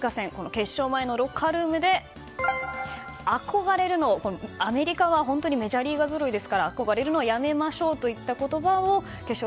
決勝前のロッカールームでアメリカはメジャーリーガーぞろいですが憧れるのをやめましょうといった言葉を決勝